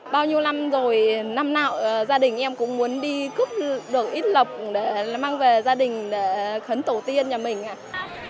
bao nhiêu năm rồi năm nào gia đình em cũng muốn đi cướp được ít lọc để mang về gia đình khấn tổ tiên nhà mình